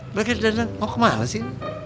bagaimana dandan mau kemana sih